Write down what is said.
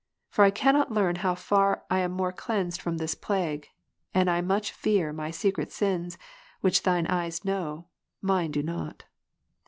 For I cannot learn how far I am more cleansed from this plague, and I much fear my secret 5?«5, which Thine eyes know, mine do not.